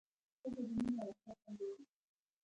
ښځه د مینې او وفا سمبول ده.